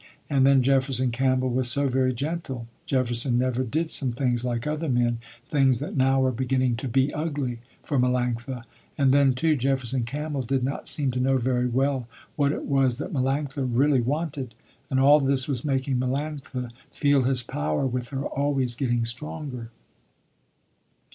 And then Jefferson Campbell was so very gentle. Jefferson never did some things like other men, things that now were beginning to be ugly, for Melanctha. And then too Jefferson Campbell did not seem to know very well what it was that Melanctha really wanted, and all this was making Melanctha feel his power with her always getting stronger.